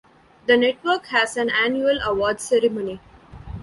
The network has an annual awards ceremony.